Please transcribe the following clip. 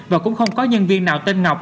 và cũng không có nhân viên nào tên ngọc